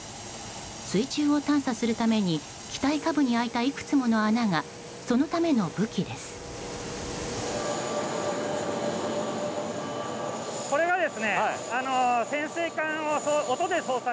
水中を探査するために機体下部に開いたいくつもの穴がそのための武器です。